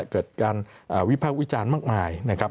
เกิดการวิพากษ์วิจารณ์มากมายนะครับ